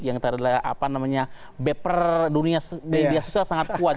yang kita adalah apa namanya beper dunia sosial sangat kuat